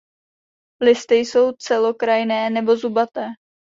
Listy jsou celokrajné nebo zubaté.